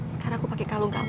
sekarang aku pakai kalung kamu